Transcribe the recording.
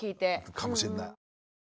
かもしれない。